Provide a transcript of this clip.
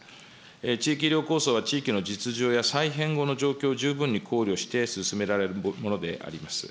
地域医療構想は地域の実情や再編後のを十分に考慮して進められるものであります。